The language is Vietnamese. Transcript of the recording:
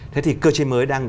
thế thì cơ chế mới